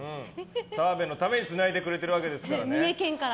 澤部のためにつないでくれてるわけですからね。